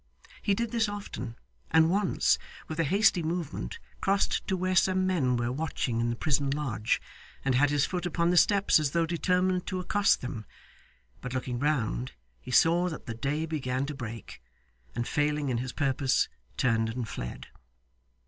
He did this often, and once, with a hasty movement, crossed to where some men were watching in the prison lodge, and had his foot upon the steps as though determined to accost them. But looking round, he saw that the day began to break, and failing in his purpose, turned and fled.